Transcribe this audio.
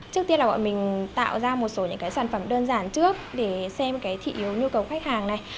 trước tiên là bọn mình tạo ra một số những cái sản phẩm đơn giản trước để xem cái thị yếu nhu cầu khách hàng này